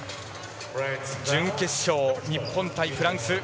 準決勝、日本対フランス。